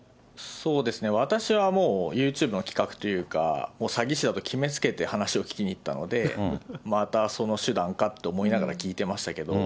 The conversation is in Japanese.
そうですね、私はもうユーチューブの企画というか、詐欺師だと決めつけて話を聞きに行ったので、またその手段かと思いながら聞いていましたけれども。